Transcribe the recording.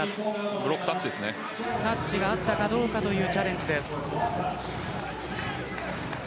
ブロックタッチがあったかどうかというチャレンジです。